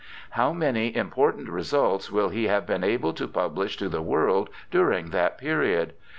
How many important results will he have been able to publish to the world during that period